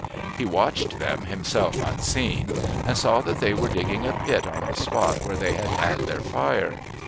He watched them, himself unseen, and saw that they were digging a pit on the spot where they had had their fire.